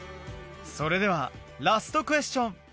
それではラストクエスチョン